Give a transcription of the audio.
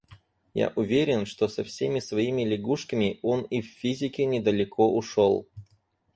Я уверен, что со всеми своими лягушками он и в физике недалеко ушел.